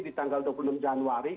di tanggal dua puluh enam januari